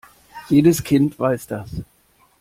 Jedes Kind weiß das.